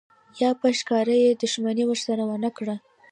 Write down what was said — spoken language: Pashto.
یا په ښکاره یې دښمني ورسره ونه کړه.